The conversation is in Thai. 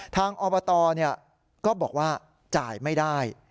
อบตก็บอกว่าจ่ายไม่ได้